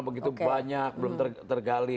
begitu banyak belum tergali